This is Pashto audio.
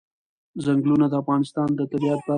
چنګلونه د افغانستان د طبیعت برخه ده.